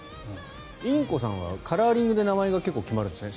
インコさんはカラーリングで名前が決まるんですね。